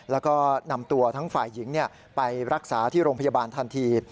แล้วก็นำตัวทั้งฝ่ายหญิงไปรักษาที่โรงพยาบาลทันที